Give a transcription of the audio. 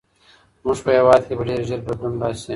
زموږ په هېواد کې به ډېر ژر بدلون راسي.